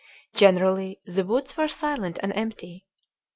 Generally the woods were silent and empty.